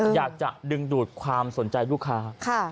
อยากจะดึงดูดความสนใจลูกค้า